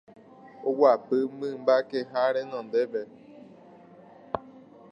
Oguapy mymbakeha renondépe